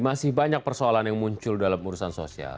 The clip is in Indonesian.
masih banyak persoalan yang muncul dalam urusan sosial